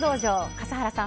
笠原さん